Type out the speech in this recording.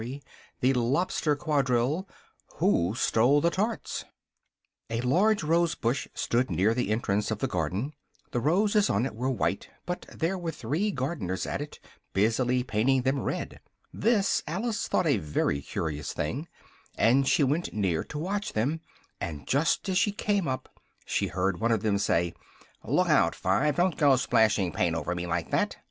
Chapter IV A large rose tree stood near the entrance of the garden: the roses on it were white, but there were three gardeners at it, busily painting them red. This Alice thought a very curious thing, and she went near to watch them, and just as she came up she heard one of them say "look out, Five! Don't go splashing paint over me like that!"